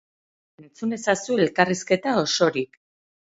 Entzun ezazu elkarrizketa osorik.